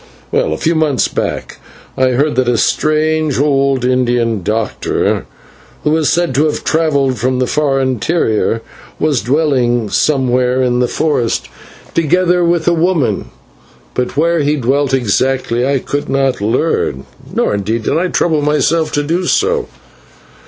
"Well, a few months back, I heard that a strange old Indian doctor, who was said to have travelled from the far interior, was dwelling somewhere in the forest together with a woman, but where he dwelt exactly I could not learn, nor, indeed, did I trouble myself to do so.